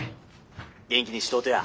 元気にしとうとや。